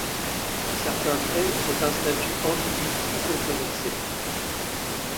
Certains traits ont un statut ambigu ou controversé.